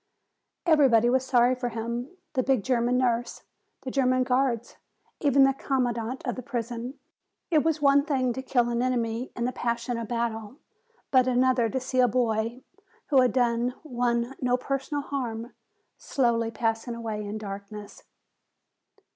Everybody was sorry for him, the big German nurse, the German guards, even the commandant of the prison. It was one thing to kill an enemy in the passion of battle, but another to see a boy, who had done one no personal harm, slowly passing away in darkness.